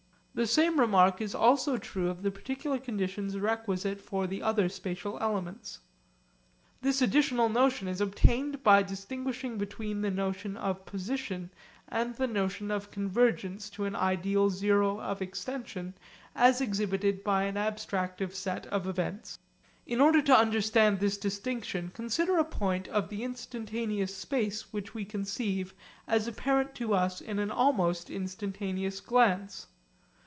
The same remark is also true of the particular conditions requisite for the other spatial elements. This additional notion is obtained by distinguishing between the notion of 'position' and the notion of convergence to an ideal zero of extension as exhibited by an abstractive set of events. In order to understand this distinction consider a point of the instantaneous space which we conceive as apparent to us in an almost instantaneous glance.